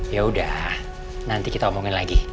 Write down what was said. yaudah nanti kita omongin lagi